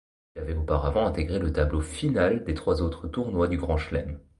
Il avait auparavant intégré le tableau final des trois autres tournois du Grand Chelem.